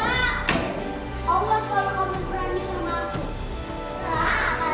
allah selalu harus berani sama aku